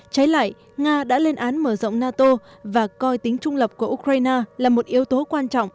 trái lại nga đã lên án mở rộng nato và coi tính trung lập của ukraine là một yếu tố quan trọng